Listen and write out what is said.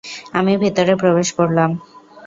আমি ভিতরে প্রবেশ করলাম।